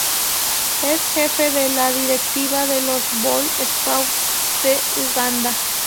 Es jefe de la directiva de los Boy Scout de Uganda.